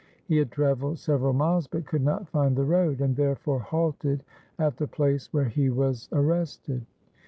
He had travelled several miles but could not find the road, and therefore halted at the place where he was arrested.